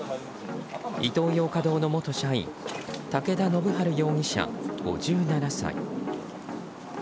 イトーヨーカ堂の元社員武田信晴容疑者、５７歳。